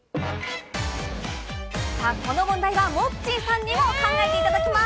さあ、この問題はモッチーさんにも考えていただきます。